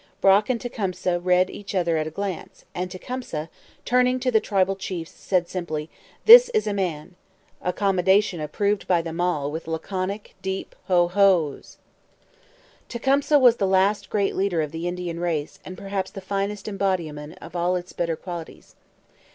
Brock and Tecumseh read each other at a glance; and Tecumseh, turning to the tribal chiefs, said simply, 'This is a man,' a commendation approved by them all with laconic, deep 'Ho ho's!' Tecumseh was the last great leader of the Indian race and perhaps the finest embodiment of all its better qualities.